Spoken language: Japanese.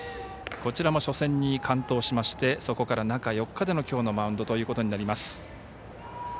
こちらも初戦に完投しましてそこから中４日でのきょうのマウンドとなります。